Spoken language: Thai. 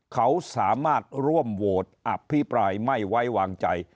เขาสามารถร่วมโหวตอภิปรายไม่ไว้วางใจ